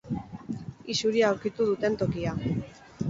Isuria aurkitu duten tokia.